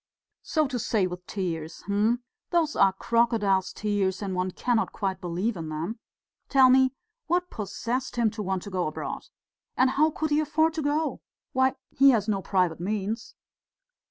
"So to say, with tears! Hm! Those are crocodile's tears and one cannot quite believe in them. Tell me, what possessed him to want to go abroad? And how could he afford to go? Why, he has no private means!"